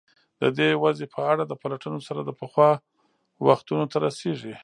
د دې وضع په اړه د پلټنو سر د پخوا وختونو ته رسېږي.